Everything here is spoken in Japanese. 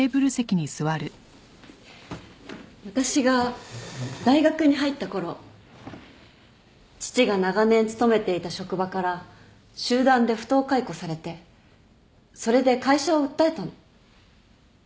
私が大学に入ったころ父が長年勤めていた職場から集団で不当解雇されてそれで会社を訴えたの。